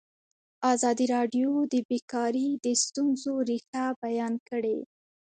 ازادي راډیو د بیکاري د ستونزو رېښه بیان کړې.